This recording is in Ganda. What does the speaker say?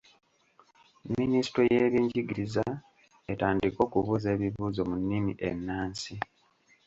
Minisitule y'ebyenjigiriza etandike okubuuza ebibuuzo mu nnimi ennansi.